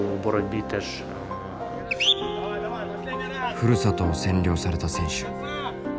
ふるさとを占領された選手。